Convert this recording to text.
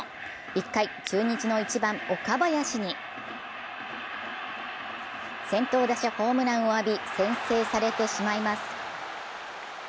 １回、中日の一番・岡林に先頭打者ホームランを浴び先制されてしまいます。